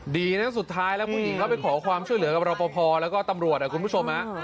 ดีนะสุดท้ายแล้วผู้หญิงเขาไปขอความช่วยเหลือกับรอปภแล้วก็ตำรวจคุณผู้ชม